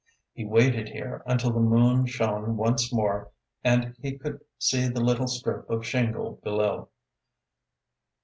He waited here until the moon shone once more and he could see the little strip of shingle below.